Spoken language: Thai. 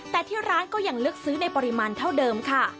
แต่ที่ร้านก็ยังเลือกซื้อในปริมาณเท่าเดิมค่ะ